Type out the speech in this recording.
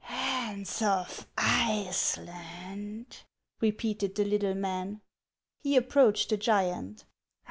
Hans of Iceland !" repeated the little man. He approached the giant.